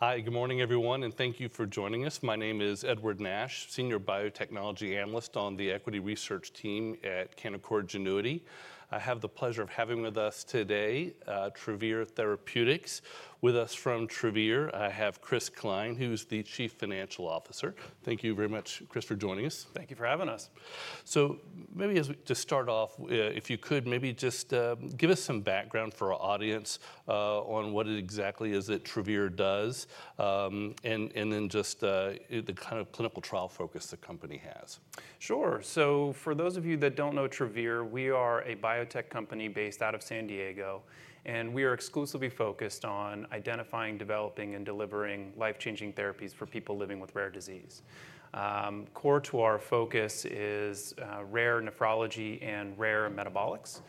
Hi, good morning everyone, and thank you for joining us. My name is Edward Nash, Senior Biotechnology Analyst on the Equity Research Team at Canaccord Genuity. I have the pleasure of having with us today Travere Therapeutics. With us from Travere, I have Chris Cline, who's the Chief Financial Officer. Thank you very much, Chris, for joining us. Thank you for having us. Maybe as we just start off, if you could maybe just give us some background for our audience on what it exactly is that Travere does, and then just the kind of clinical trial focus the company has. Sure. For those of you that don't know Travere, we are a biotech company based out of San Diego, and we are exclusively focused on identifying, developing, and delivering life-changing therapies for people living with rare disease. Core to our focus is rare nephrology and rare metabolics.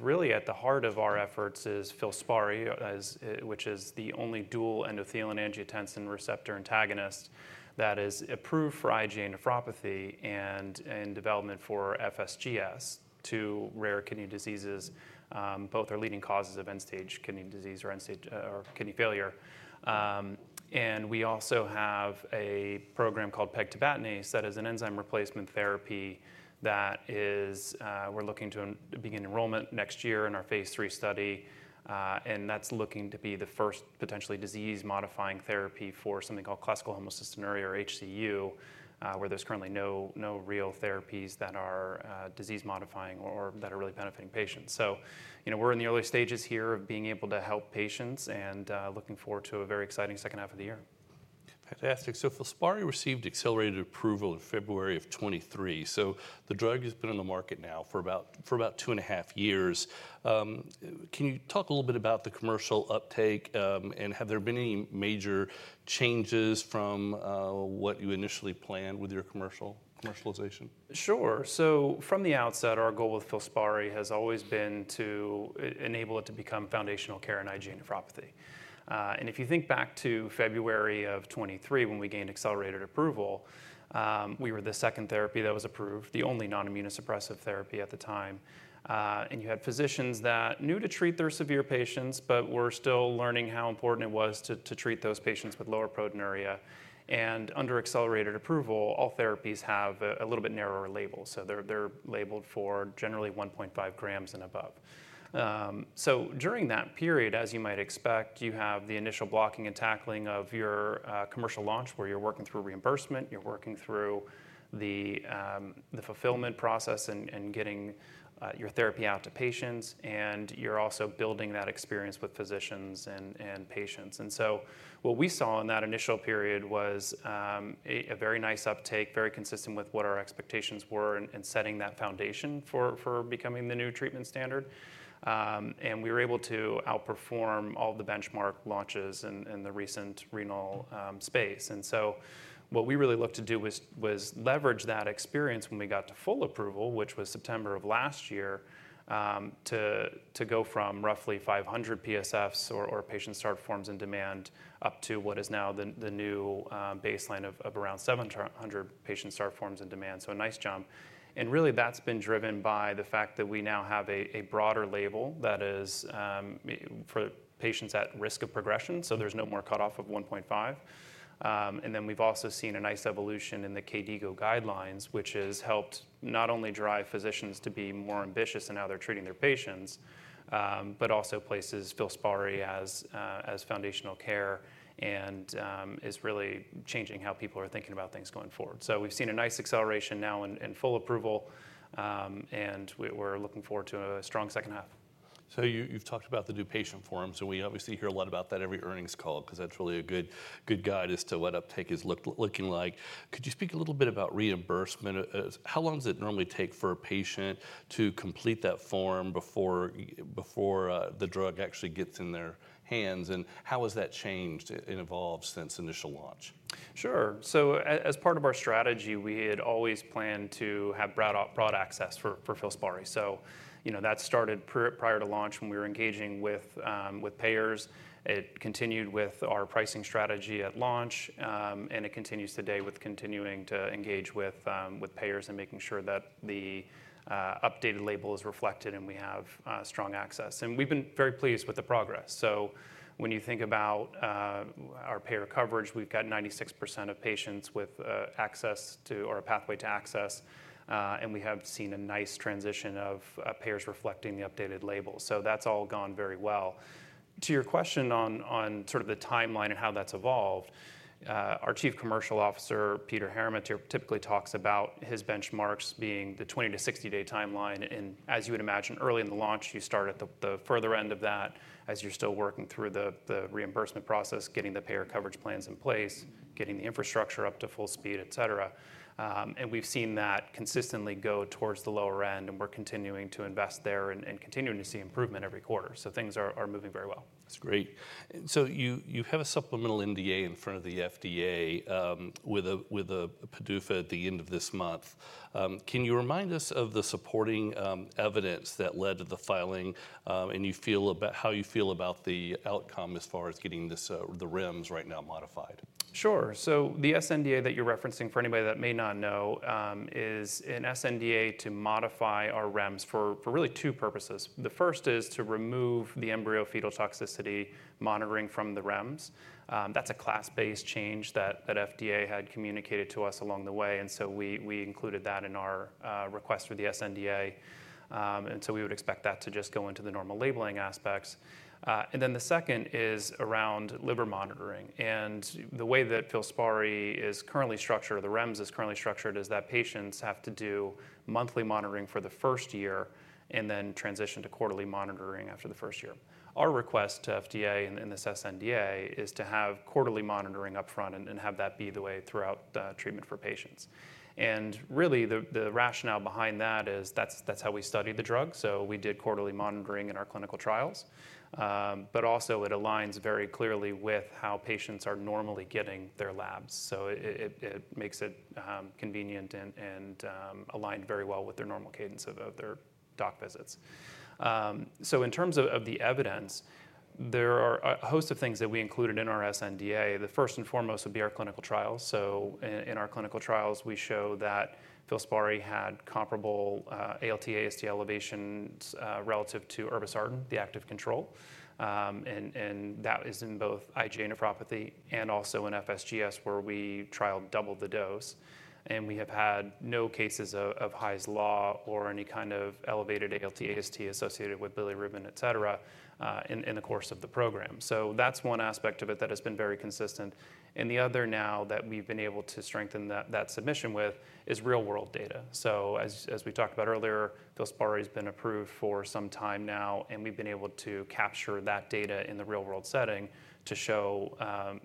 Really at the heart of our efforts is FILSPARI, which is the only dual endothelin angiotensin receptor antagonist that is approved for IgA nephropathy and in development for FSGS, two rare kidney diseases. Both are leading causes of end-stage kidney disease or end-stage kidney failure. We also have a program called pegtibatinase that is an enzyme replacement therapy that is we're looking to begin enrollment next year in our phase III study, and that's looking to be the first potentially disease-modifying therapy for something called classical homocystinuria or HCU, where there's currently no real therapies that are disease-modifying or that are really benefiting patients. We're in the early stages here of being able to help patients and looking forward to a very exciting second half of the year. Fantastic. FILSPARI received accelerated approval in February of 2023. The drug has been on the market now for about two and a half years. Can you talk a little bit about the commercial uptake, and have there been any major changes from what you initially planned with your commercialization? Sure. From the outset, our goal with FILSPARI has always been to enable it to become foundational care in IgA nephropathy. If you think back to February of 2023 when we gained accelerated approval, we were the second therapy that was approved, the only non-immunosuppressive therapy at the time. You had physicians that knew to treat their severe patients but were still learning how important it was to treat those patients with lower proteinuria. Under accelerated approval, all therapies have a little bit narrower labels, so they're labeled for generally 1.5 g and above. During that period, as you might expect, you have the initial blocking and tackling of your commercial launch where you're working through reimbursement, you're working through the fulfillment process and getting your therapy out to patients, and you're also building that experience with physicians and patients. What we saw in that initial period was a very nice uptake, very consistent with what our expectations were in setting that foundation for becoming the new treatment standard. We were able to outperform all of the benchmark launches in the recent renal space. What we really looked to do was leverage that experience when we got to full approval, which was September of last year, to go from roughly 500 PSFs or patient start forms in demand up to what is now the new baseline of around 700 patient start forms in demand. A nice jump. That's been driven by the fact that we now have a broader label that is for patients at risk of progression, so there's no more cutoff of 1.5 g. We've also seen a nice evolution in the KDIGO guidelines, which has helped not only drive physicians to be more ambitious in how they're treating their patients, but also places FILSPARI as foundational care and is really changing how people are thinking about things going forward. We've seen a nice acceleration now in full approval, and we're looking forward to a strong second half. You've talked about the new patient forms, and we obviously hear a lot about that every earnings call because that's really a good guide as to what uptake is looking like. Could you speak a little bit about reimbursement? How long does it normally take for a patient to complete that form before the drug actually gets in their hands, and how has that changed and evolved since initial launch? Sure. As part of our strategy, we had always planned to have broad access for FILSPARI. You know that started prior to launch when we were engaging with payers. It continued with our pricing strategy at launch, and it continues today with continuing to engage with payers and making sure that the updated label is reflected and we have strong access. We've been very pleased with the progress. When you think about our payer coverage, we've got 96% of patients with access to or a pathway to access, and we have seen a nice transition of payers reflecting the updated label. That's all gone very well. To your question on the timeline and how that's evolved, our Chief Commercial Officer, Peter Heerma, typically talks about his benchmarks being the 20-60-day timeline. As you would imagine, early in the launch, you start at the further end of that as you're still working through the reimbursement process, getting the payer coverage plans in place, getting the infrastructure up to full speed, et cetera. We've seen that consistently go towards the lower end, and we're continuing to invest there and continuing to see improvement every quarter. Things are moving very well. That's great. You have a supplemental NDA in front of the FDA with a PDUFA at the end of this month. Can you remind us of the supporting evidence that led to the filing and how you feel about the outcome as far as getting the REMS right now modified? Sure. The SNDA that you're referencing, for anybody that may not know, is an SNDA to modify our REMS for really two purposes. The first is to remove the embryofetal toxicity monitoring from the REMS. That's a class-based change that FDA had communicated to us along the way, and we included that in our request for the SNDA. We would expect that to just go into the normal labeling aspects. The second is around liver monitoring. The way that FILSPARI is currently structured, or the REMS is currently structured, is that patients have to do monthly monitoring for the first year and then transition to quarterly monitoring after the first year. Our request to FDA in this SNDA is to have quarterly monitoring upfront and have that be the way throughout treatment for patients. The rationale behind that is that's how we study the drug. We did quarterly monitoring in our clinical trials, but also it aligns very clearly with how patients are normally getting their labs. It makes it convenient and aligned very well with their normal cadence of their doc visits. In terms of the evidence, there are a host of things that we included in our SNDA. The first and foremost would be our clinical trials. In our clinical trials, we show that FILSPARI had comparable ALT/AST elevations relative to irbesartan, the active control. That is in both IgA nephropathy and also in FSGS where we trialed double the dose. We have had no cases of Hy's law or any kind of elevated ALT/AST associated with bilirubin, etc., in the course of the program. That's one aspect of it that has been very consistent. The other now that we've been able to strengthen that submission with is real-world data. As we talked about earlier, FILSPARI has been approved for some time now, and we've been able to capture that data in the real-world setting to show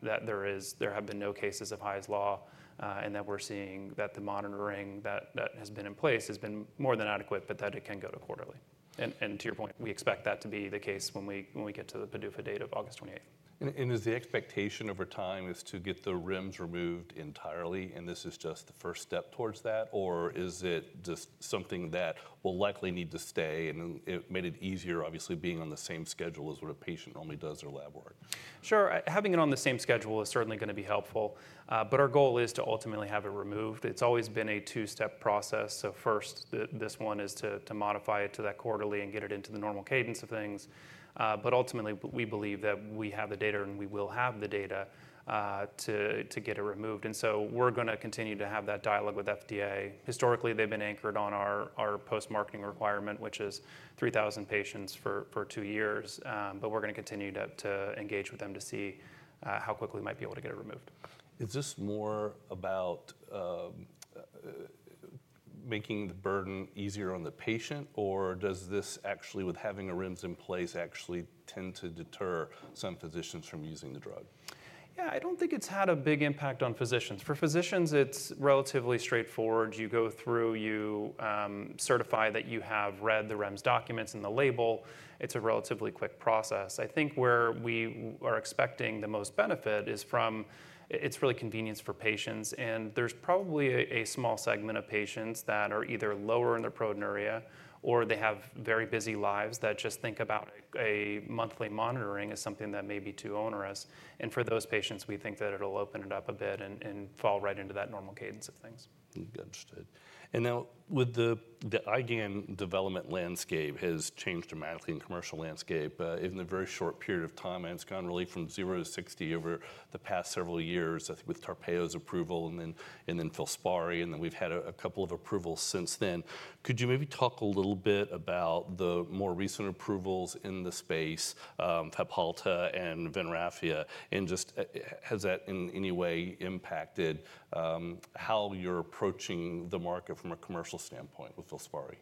that there have been no cases of Hy's law and that we're seeing that the monitoring that has been in place has been more than adequate, but that it can go to quarterly. To your point, we expect that to be the case when we get to the PDUFA date of August 28th. Is the expectation over time to get the REMS removed entirely, and this is just the first step towards that, or is it just something that will likely need to stay? It made it easier, obviously, being on the same schedule as what a patient normally does their lab work. Sure. Having it on the same schedule is certainly going to be helpful, but our goal is to ultimately have it removed. It's always been a two-step process. First, this one is to modify it to that quarterly and get it into the normal cadence of things. Ultimately, we believe that we have the data and we will have the data to get it removed. We're going to continue to have that dialogue with FDA. Historically, they've been anchored on our post-marketing requirement, which is 3,000 patients for two years. We're going to continue to engage with them to see how quickly we might be able to get it removed. Is this more about making the burden easier on the patient, or does this actually, with having a REMS in place, actually tend to deter some physicians from using the drug? Yeah, I don't think it's had a big impact on physicians. For physicians, it's relatively straightforward. You go through, you certify that you have read the REMS documents and the label. It's a relatively quick process. I think where we are expecting the most benefit is from it's really convenience for patients. There's probably a small segment of patients that are either lower in their proteinuria or they have very busy lives that just think about a monthly monitoring is something that may be too onerous. For those patients, we think that it'll open it up a bit and fall right into that normal cadence of things. Understood. Now with the IgA nephropathy development landscape, it has changed dramatically in the commercial landscape in a very short period of time, and it's gone really from 0 to 60 over the past several years with Tarpeyo's approval and then FILSPARI, and then we've had a couple of approvals since then. Could you maybe talk a little bit about the more recent approvals in the space, FILSPARI and, I believe, another agent, and just has that in any way impacted how you're approaching the market from a commercial standpoint with FILSPARI?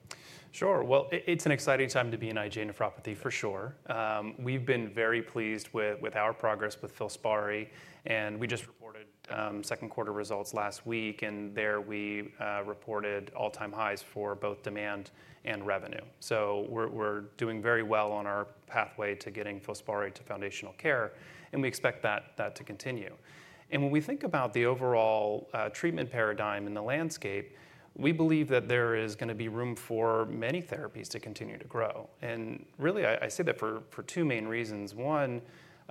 Sure. It's an exciting time to be in IgA nephropathy for sure. We've been very pleased with our progress with FILSPARI, and we just reported second quarter results last week, and there we reported all-time highs for both demand and revenue. We're doing very well on our pathway to getting FILSPARI to foundational care, and we expect that to continue. When we think about the overall treatment paradigm in the landscape, we believe that there is going to be room for many therapies to continue to grow. I say that for two main reasons. One,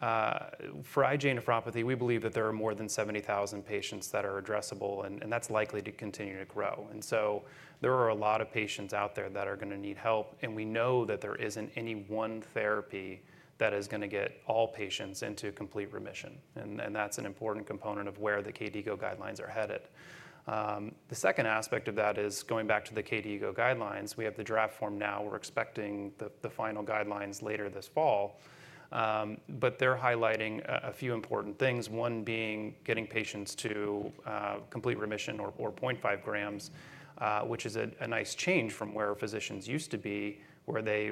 for IgA nephropathy, we believe that there are more than 70,000 patients that are addressable, and that's likely to continue to grow. There are a lot of patients out there that are going to need help, and we know that there isn't any one therapy that is going to get all patients into complete remission. That's an important component of where the KDIGO guidelines are headed. The second aspect of that is going back to the KDIGO guidelines. We have the draft form now. We're expecting the final guidelines later this fall, but they're highlighting a few important things, one being getting patients to complete remission or 0.5 g, which is a nice change from where physicians used to be, where they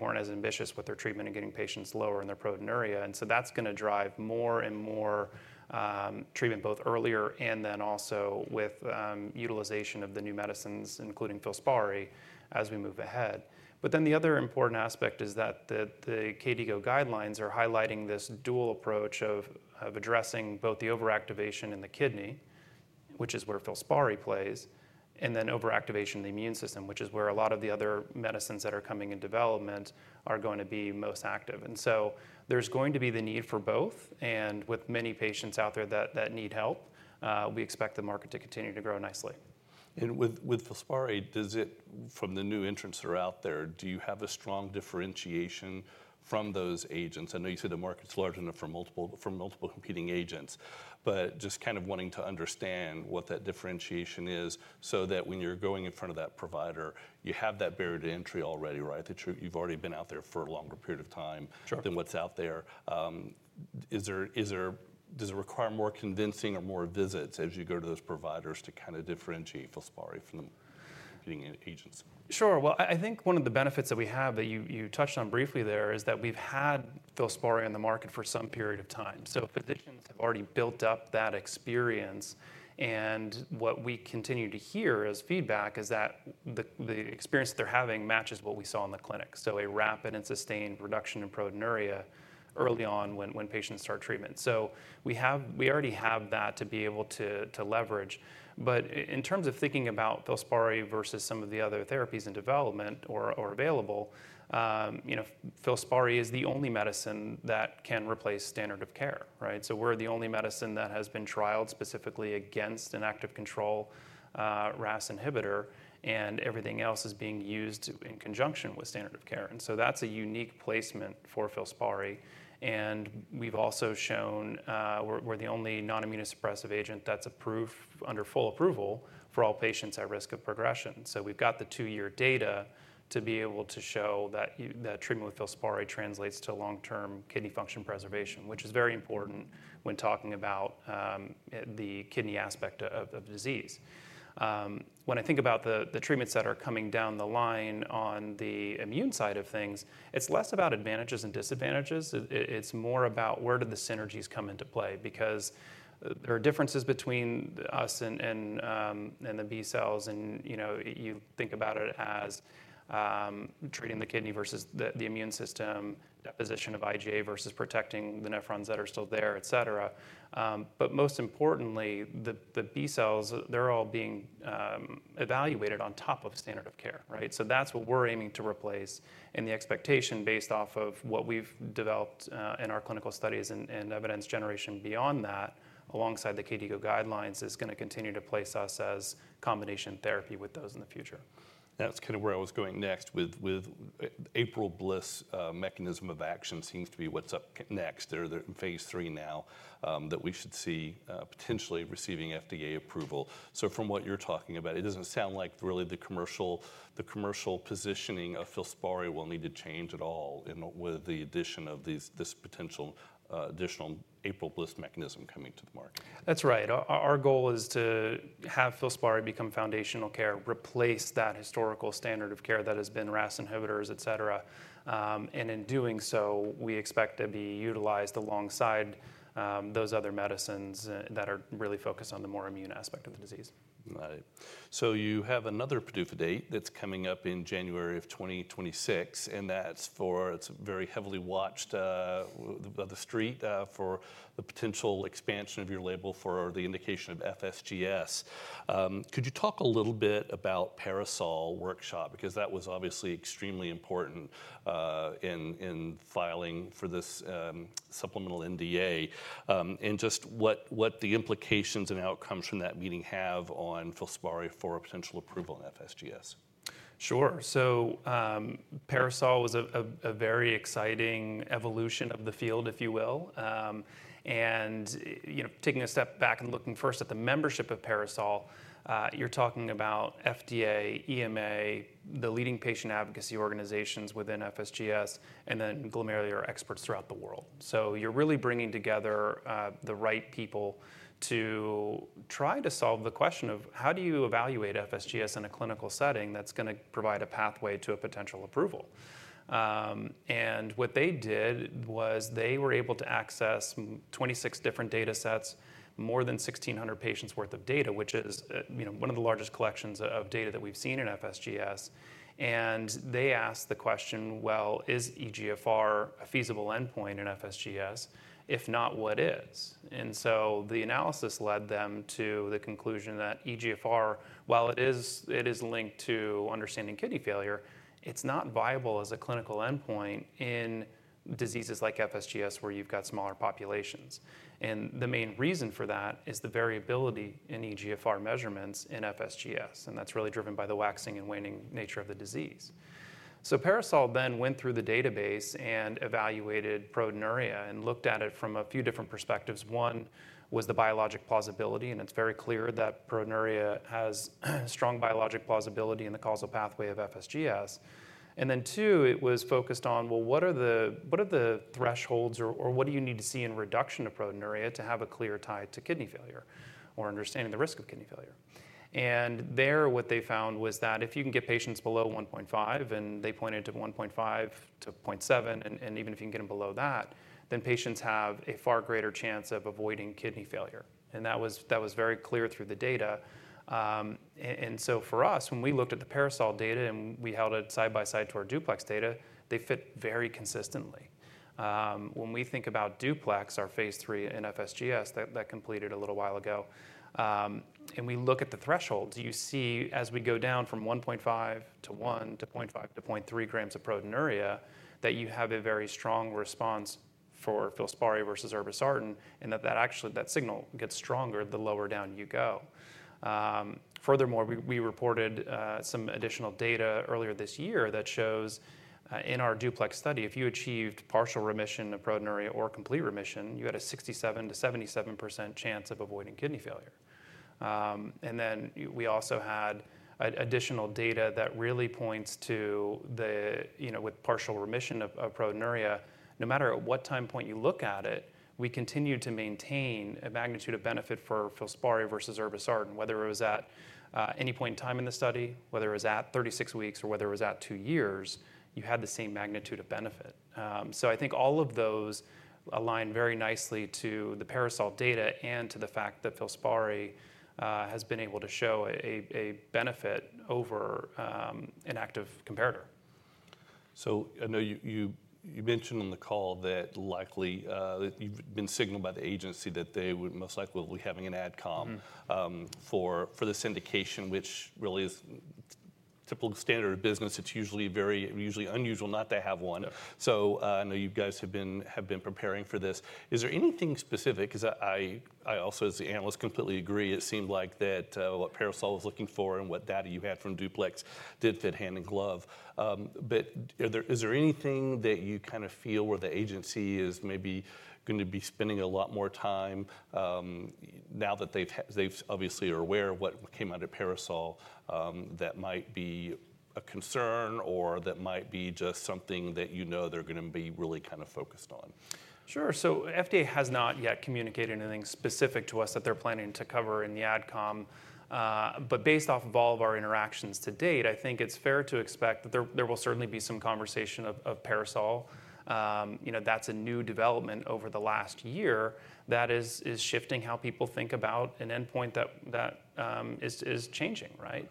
weren't as ambitious with their treatment and getting patients lower in their proteinuria. That's going to drive more and more treatment both earlier and also with utilization of the new medicines, including FILSPARI, as we move ahead. The other important aspect is that the KDIGO guidelines are highlighting this dual approach of addressing both the overactivation in the kidney, which is where FILSPARI plays, and then overactivation in the immune system, which is where a lot of the other medicines that are coming in development are going to be most active. There's going to be the need for both, and with many patients out there that need help, we expect the market to continue to grow nicely. With FILSPARI, from the new entrants that are out there, do you have a strong differentiation from those agents? I know you said the market's large enough for multiple competing agents, but just kind of wanting to understand what that differentiation is so that when you're going in front of that provider, you have that barrier to entry already, right? That you've already been out there for a longer period of time than what's out there. Does it require more convincing or more visits as you go to those providers to kind of differentiate FILSPARI from competing agents? Sure. I think one of the benefits that we have that you touched on briefly there is that we've had FILSPARI in the market for some period of time. Physicians have already built up that experience, and what we continue to hear as feedback is that the experience they're having matches what we saw in the clinic. A rapid and sustained reduction in proteinuria early on when patients start treatment. We already have that to be able to leverage. In terms of thinking about FILSPARI versus some of the other therapies in development or available, FILSPARI is the only medicine that can replace standard of care, right? We're the only medicine that has been trialed specifically against an active control RAS inhibitor, and everything else is being used in conjunction with standard of care. That's a unique placement for FILSPARI. We've also shown we're the only non-immunosuppressive agent that's approved under full approval for all patients at risk of progression. We've got the two-year data to be able to show that treatment with FILSPARI translates to long-term kidney function preservation, which is very important when talking about the kidney aspect of disease. When I think about the treatments that are coming down the line on the immune side of things, it's less about advantages and disadvantages. It's more about where do the synergies come into play because there are differences between us and the B cells. You think about it as treating the kidney versus the immune system, deposition of IgA versus protecting the nephrons that are still there, etc. Most importantly, the B cells, they're all being evaluated on top of standard of care, right? That's what we're aiming to replace. The expectation based off of what we've developed in our clinical studies and evidence generation beyond that, alongside the KDIGO guidelines, is going to continue to place us as combination therapy with those in the future. That's kind of where I was going next with APRIL/BLyS mechanism of action seems to be what's up next. They're in phase III now that we should see potentially receiving FDA approval. From what you're talking about, it doesn't sound like really the commercial positioning of FILSPARI will need to change at all with the addition of this potential additional APRIL/BLyS mechanism coming to the market. That's right. Our goal is to have FILSPARI become foundational care, replace that historical standard of care that has been RAS inhibitors, etc. In doing so, we expect to be utilized alongside those other medicines that are really focused on the more immune aspect of the disease. Got it. You have another PDUFA date that's coming up in January of 2026, and that's for it's very heavily watched on the street for the potential expansion of your label for the indication of FSGS. Could you talk a little bit about PARASOL workshop because that was obviously extremely important in filing for this supplemental NDA and just what the implications and outcomes from that meeting have on FILSPARI for potential approval in FSGS? Sure. PARASOL was a very exciting evolution of the field, if you will. Taking a step back and looking first at the membership of PARASOL, you're talking about FDA, EMA, the leading patient advocacy organizations within FSGS, and then glomerular experts throughout the world. You're really bringing together the right people to try to solve the question of how do you evaluate FSGS in a clinical setting that's going to provide a pathway to a potential approval. What they did was they were able to access 26 different data sets, more than 1,600 patients' worth of data, which is one of the largest collections of data that we've seen in FSGS. They asked the question, is eGFR a feasible endpoint in FSGS? If not, what is? The analysis led them to the conclusion that eGFR, while it is linked to understanding kidney failure, is not viable as a clinical endpoint in diseases like FSGS where you've got smaller populations. The main reason for that is the variability in eGFR measurements in FSGS, and that's really driven by the waxing and waning nature of the disease. PARASOL then went through the database and evaluated proteinuria and looked at it from a few different perspectives. One was the biologic plausibility, and it's very clear that proteinuria has strong biologic plausibility in the causal pathway of FSGS. Two, it was focused on what are the thresholds or what do you need to see in reduction of proteinuria to have a clear tie to kidney failure or understanding the risk of kidney failure. What they found was that if you can get patients below 1.5 g, and they pointed to 1.5 g-0.7 g, and even if you can get them below that, then patients have a far greater chance of avoiding kidney failure. That was very clear through the data. For us, when we looked at the PARASOL data and we held it side by side to our DUPLEX data, they fit very consistently. When we think about DUPLEX, our phase III in FSGS that completed a little while ago, and we look at the thresholds, you see as we go down from 1.5 g to 1 to 0.5 g to 0.3 g of proteinuria that you have a very strong response for FILSPARI versus irbesartan, and actually that signal gets stronger the lower down you go. Furthermore, we reported some additional data earlier this year that shows in our DUPLEX study, if you achieved partial remission of proteinuria or complete remission, you had a 67%-77% chance of avoiding kidney failure. We also had additional data that really points to the, you know, with partial remission of proteinuria, no matter at what time point you look at it, we continue to maintain a magnitude of benefit for FILSPARI versus irbesartan. Whether it was at any point in time in the study, whether it was at 36 weeks or whether it was at two years, you had the same magnitude of benefit. I think all of those align very nicely to the PARASOL data and to the fact that FILSPARI has been able to show a benefit over an active competitor. I know you mentioned on the call that likely you've been signaled by the agency that they would most likely be having an adcom for this indication, which really is a typical standard of business. It's usually very unusual not to have one. I know you guys have been preparing for this. Is there anything specific? I also, as the analyst, completely agree. It seemed like what PARASOL was looking for and what data you had from DUPLEX did fit hand in glove. Is there anything that you kind of feel where the agency is maybe going to be spending a lot more time now that they've obviously are aware of what came under PARASOL that might be a concern or that might be just something that you know they're going to be really kind of focused on? Sure. FDA has not yet communicated anything specific to us that they're planning to cover in the adcom. Based off of all of our interactions to date, I think it's fair to expect that there will certainly be some conversation of PARASOL. That's a new development over the last year that is shifting how people think about an endpoint that is changing, right?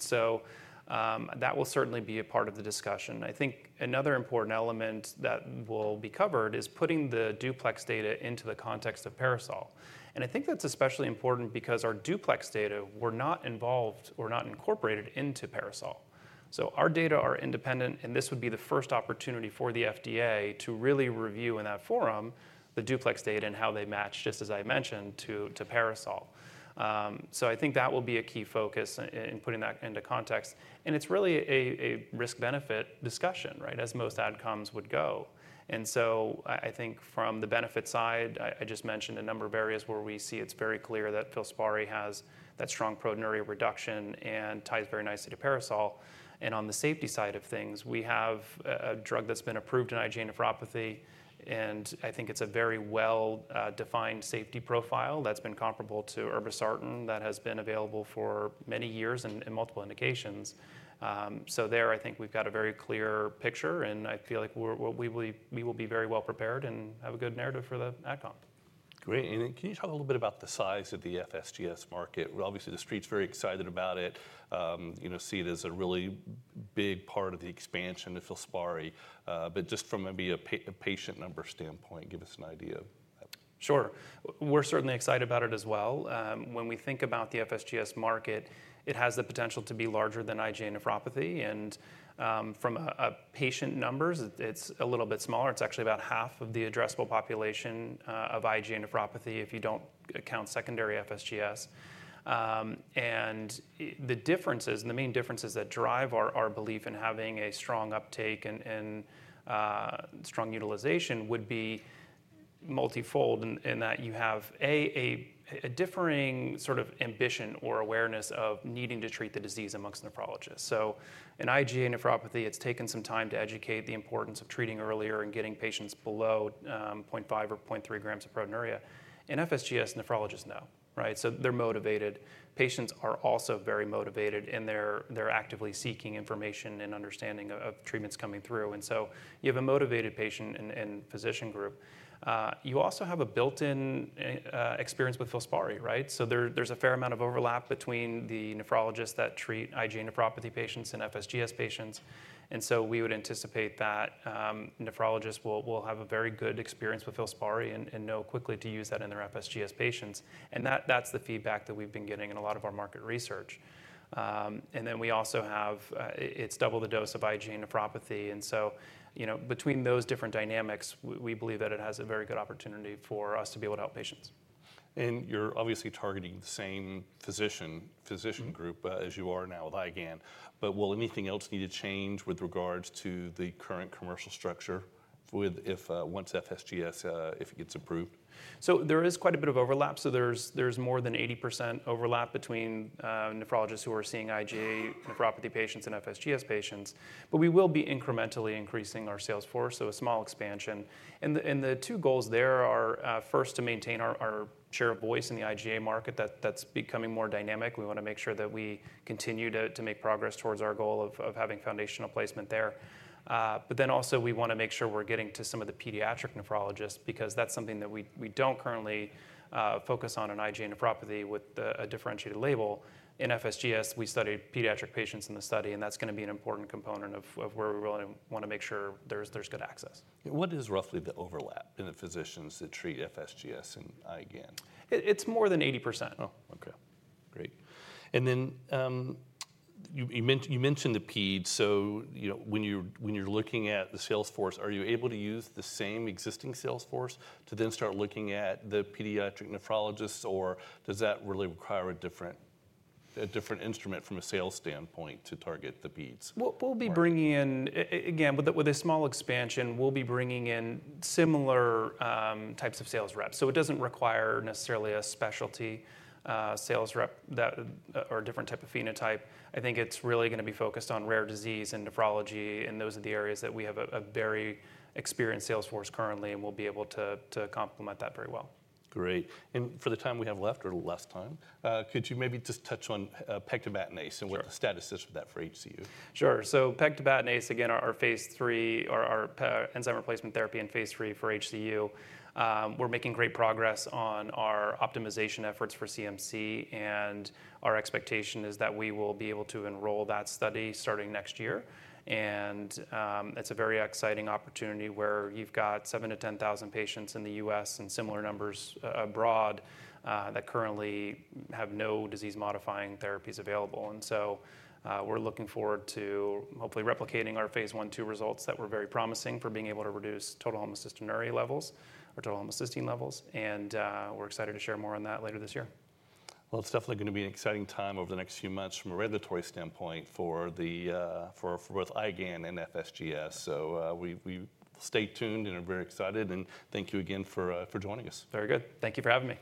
That will certainly be a part of the discussion. I think another important element that will be covered is putting the DUPLEX data into the context of PARASOL. I think that's especially important because our DUPLEX data were not involved or not incorporated into PARASOL. Our data are independent, and this would be the first opportunity for the FDA to really review in that forum the DUPLEX data and how they match, just as I mentioned, to PARASOL. I think that will be a key focus in putting that into context. It's really a risk-benefit discussion, right, as most adcoms would go. From the benefit side, I just mentioned a number of areas where we see it's very clear that FILSPARI has that strong proteinuria reduction and ties very nicely to PARASOL. On the safety side of things, we have a drug that's been approved in IgA nephropathy, and I think it's a very well-defined safety profile that's been comparable to irbesartan that has been available for many years in multiple indications. I think we've got a very clear picture, and I feel like we will be very well prepared and have a good narrative for the adcom. Great. Can you talk a little bit about the size of the FSGS market? Obviously, the street's very excited about it. You know, see it as a really big part of the expansion of FILSPARI, but just from maybe a patient number standpoint, give us an idea. Sure. We're certainly excited about it as well. When we think about the FSGS market, it has the potential to be larger than IgA nephropathy. From patient numbers, it's a little bit smaller. It's actually about half of the addressable population of IgA nephropathy if you don't count secondary FSGS. The differences, and the main differences that drive our belief in having a strong uptake and strong utilization, would be multifold in that you have a differing sort of ambition or awareness of needing to treat the disease amongst nephrologists. In IgA nephropathy, it's taken some time to educate the importance of treating earlier and getting patients below 0.5 g or 0.3 g of proteinuria. In FSGS, nephrologists know, right? They're motivated. Patients are also very motivated, and they're actively seeking information and understanding of treatments coming through. You have a motivated patient and physician group. You also have a built-in experience with FILSPARI, right? There's a fair amount of overlap between the nephrologists that treat IgA nephropathy patients and FSGS patients. We would anticipate that nephrologists will have a very good experience with FILSPARI and know quickly to use that in their FSGS patients. That's the feedback that we've been getting in a lot of our market research. We also have, it's double the dose of IgA nephropathy. Between those different dynamics, we believe that it has a very good opportunity for us to be able to help patients. You're obviously targeting the same physician group as you are now with IgA nephropathy. Will anything else need to change with regards to the current commercial structure once FSGS, if it gets approved? There is quite a bit of overlap. There is more than 80% overlap between nephrologists who are seeing IgA nephropathy patients and FSGS patients. We will be incrementally increasing our sales force, so a small expansion. The two goals there are first to maintain our share of voice in the IgA market that's becoming more dynamic. We want to make sure that we continue to make progress towards our goal of having foundational placement there. We also want to make sure we're getting to some of the pediatric nephrologists because that's something that we don't currently focus on in IgA nephropathy with a differentiated label. In FSGS, we studied pediatric patients in the study, and that's going to be an important component of where we want to make sure there's good access. What is roughly the overlap in the physicians that treat FSGS and IgA nephropathy? It's more than 80%. Okay. Great. You mentioned the peds. When you're looking at the sales force, are you able to use the same existing sales force to then start looking at the pediatric nephrologists, or does that really require a different instrument from a sales standpoint to target the peds? With a small expansion, we'll be bringing in similar types of sales reps. It doesn't require necessarily a specialty sales rep or a different type of phenotype. I think it's really going to be focused on rare disease and nephrology, and those are the areas that we have a very experienced sales force currently, and we'll be able to complement that very well. Great. For the time we have left or less time, could you maybe just touch on pegtibatinase and what the status is for that for HCU? Sure. Pegtibatinase, again, our phase III, our enzyme replacement therapy in phase III for HCU. We're making great progress on our optimization efforts for CMC, and our expectation is that we will be able to enroll that study starting next year. It is a very exciting opportunity where you've got 7,000-10,000 patients in the U.S., and similar numbers abroad that currently have no disease-modifying therapies available. We're looking forward to hopefully replicating our phase one/two results that were very promising for being able to reduce total homocysteine levels. We're excited to share more on that later this year. It is definitely going to be an exciting time over the next few months from a regulatory standpoint for both IgA nephropathy and FSGS. We stay tuned and are very excited. Thank you again for joining us. Very good. Thank you for having me.